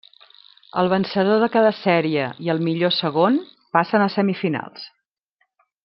El vencedor de cada sèrie i el millor segon passen a semifinals.